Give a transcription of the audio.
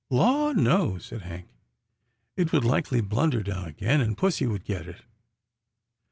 "" Law no," said Hank, " it would likely blunder down again, and pussy would get it.